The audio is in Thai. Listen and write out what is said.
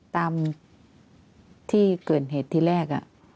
ตามที่เกิดเหตุที่แรก